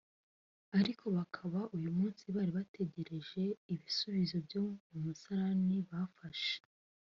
ariko bakaba uyu munsi bari bagitegereje ibisubizo byo mu musarane babafashe